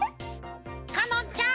かのんちゃん。